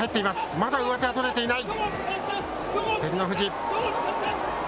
まだ上手は取れていない。